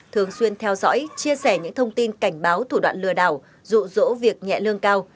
thường xuyên theo dõi chia sẻ những thông tin cảnh báo thủ đoạn lừa đảo rụ rỗ việc nhẹ lương cao